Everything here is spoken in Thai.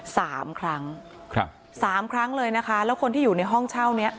สามครั้งครับสามครั้งเลยนะคะแล้วคนที่อยู่ในห้องเช่าเนี้ย